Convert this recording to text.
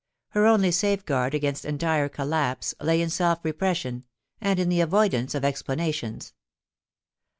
Her only safeguard against entire collapse lay in self repression, and in the avoidance of explanations.